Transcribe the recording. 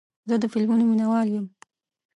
زه د فلمونو مینهوال یم.